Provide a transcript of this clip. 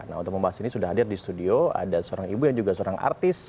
nah untuk membahas ini sudah hadir di studio ada seorang ibu yang juga seorang artis